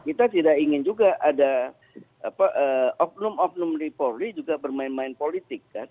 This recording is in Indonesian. kita tidak ingin juga ada oknum oknum di polri juga bermain main politik